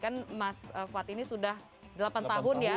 kan mas fad ini sudah delapan tahun ya